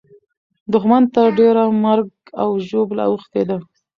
دښمن ته ډېره مرګ او ژوبله اوښتې ده.